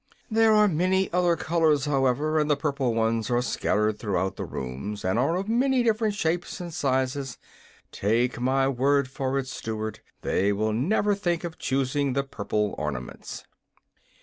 "There are many other colors, however, and the purple ones are scattered throughout the rooms, and are of many different shapes and sizes. Take my word for it, Steward, they will never think of choosing the purple ornaments."